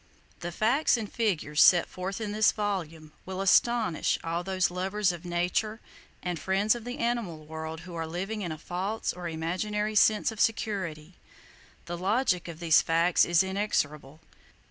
The facts and figures set forth in this volume will astonish all those lovers of Nature and friends of the animal world who are living in a false or imaginary sense of security. The logic of these facts is inexorable.